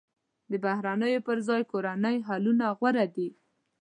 د بهرنیو پر ځای کورني حلونه غوره دي.